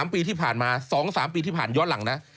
๓ปีที่ผ่านมา๒๓ปีที่ผ่านย้อนหลังนะ